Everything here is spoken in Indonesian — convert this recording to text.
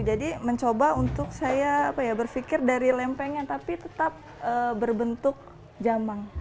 jadi mencoba untuk saya berpikir dari lempengnya tapi tetap berbentuk jamang